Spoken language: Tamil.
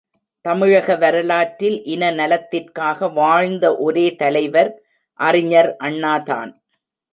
தமிழக வரலாற்றில் இன நலத்திற்காக வாழ்ந்த ஒரே தலைவர் அறிஞர் அண்ணாதான்.